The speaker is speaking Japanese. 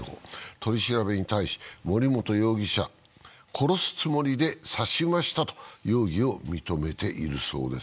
取り調べに対し森本容疑者、殺すつもりで刺しましたと容疑を認めているそうです。